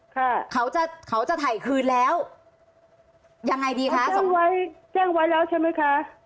ค่ะเขาจะเขาจะถ่ายคืนแล้วยังไงดีคะส่งไว้แจ้งไว้แล้วใช่ไหมคะ